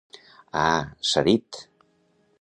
A... s'ha dit!